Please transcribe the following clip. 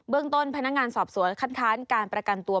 ต้นพนักงานสอบสวนคัดค้านการประกันตัว